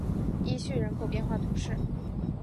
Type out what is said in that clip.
伊叙人口变化图示